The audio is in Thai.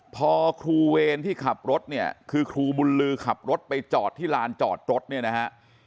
พอครูเวรที่ขับรถเนี่ยคือครูบุญลือขับรถไปจอดที่ลานจอดรถเนี่ยนะฮะ